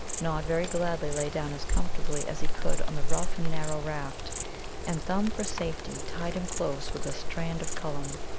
Nod very gladly lay down as comfortably as he could on the rough and narrow raft, and Thumb for safety tied him close with a strand of Cullum.